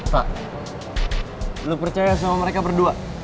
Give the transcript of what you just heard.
pak lu percaya sama mereka berdua